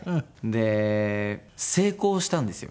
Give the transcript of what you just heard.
で成功したんですよ。